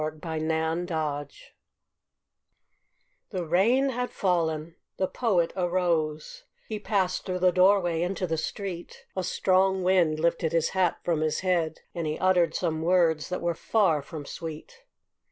THE POET'S HAT The rain had fallen, the Poet arose, He passed through the doorway into the street, A strong wind lifted his hat from his head, And he uttered some words that were far from sweet.